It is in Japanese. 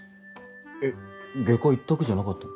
えっ外科一択じゃなかったの？